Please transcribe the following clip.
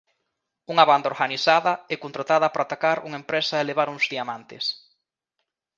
Unha banda organizada é contratada para atracar unha empresa e levar uns diamantes.